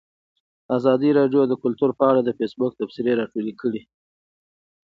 ازادي راډیو د کلتور په اړه د فیسبوک تبصرې راټولې کړي.